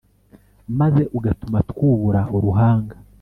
maze ugatuma twubura uruhanga